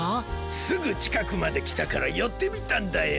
すぐちかくまできたからよってみたんだよ。